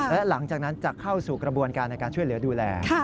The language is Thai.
และหลังจากนั้นจะเข้าสู่กระบวนการในการช่วยเหลือดูแล